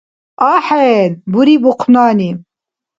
АхӀен, — буриб ухънани.